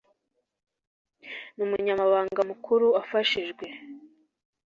n Umunyamabanga Mukuru afashijwe